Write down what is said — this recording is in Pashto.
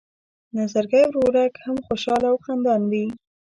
نظرګی ورورک هم خوشحاله او خندان وي.